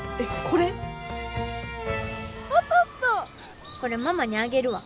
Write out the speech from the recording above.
これママにあげるわ。